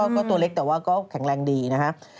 ก็ตัวเล็กแต่ว่าก็แข็งแรงดีนะฮะ